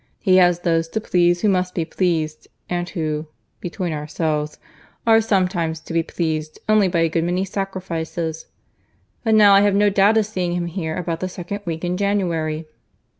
He has those to please who must be pleased, and who (between ourselves) are sometimes to be pleased only by a good many sacrifices. But now I have no doubt of seeing him here about the second week in January."